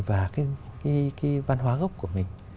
và văn hóa gốc của mình